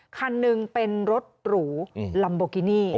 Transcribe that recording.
คันหนึ่งเป็นรถหรูลัมโบกินี่